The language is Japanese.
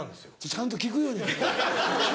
ちゃんと聞くように君。